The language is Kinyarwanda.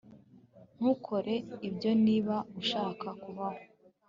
Ntukore ibyo niba ushaka kubaho